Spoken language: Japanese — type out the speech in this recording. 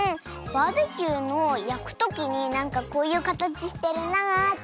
バーベキューのやくときになんかこういうかたちしてるなあって。